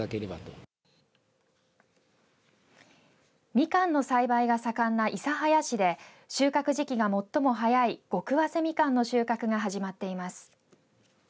みかんの栽培が盛んな諫早市で収穫時期が最も早い極わせミカンの収穫が始まっています。